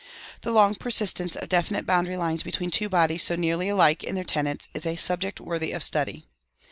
The long persistence of definite boundary lines between two bodies so nearly alike in their tenets is a subject worthy of study.